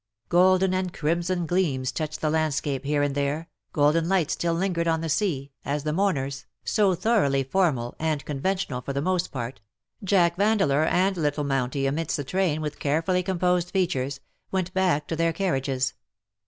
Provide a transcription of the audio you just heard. Golden and crimson gleams touched the landscape here and there, golden lights still] lingered on the sea, as the mourners, so 64 thoroughly formal and conventional for the most part — Jack Vandeleur and little Monty amidst the train with carefully composed features — went back to their carriages.